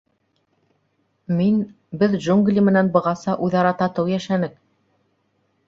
— Мин... беҙ джунгли менән бығаса үҙ-ара татыу йәшәнек.